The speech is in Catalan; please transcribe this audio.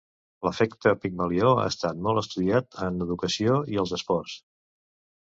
L'efecte Pigmalió ha estat molt estudiat en educació i els esports.